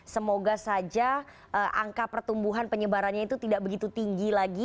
semoga saja angka pertumbuhan penyebarannya itu tidak begitu tinggi lagi